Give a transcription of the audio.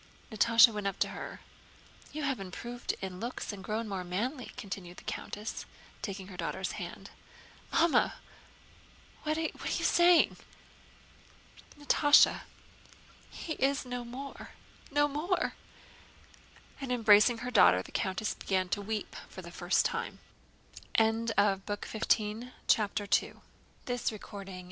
Natásha went up to her. "You have improved in looks and grown more manly," continued the countess, taking her daughter's hand. "Mamma! What are you saying..." "Natásha, he is no more, no more!" And embracing her daughter, the countess began to weep for the first time. CHAPTER III Princess Mary postponed her departure.